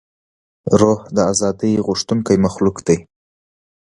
روح د ازادۍ غوښتونکی مخلوق دی.